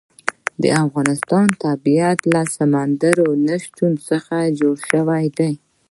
د افغانستان طبیعت له سمندر نه شتون څخه جوړ شوی دی.